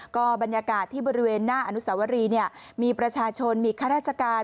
ก็บรรยากาศที่บริเวณหน้าอนุสวรีเนี่ยมีประชาชนมีข้าราชการ